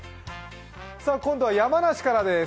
今度は山梨からです。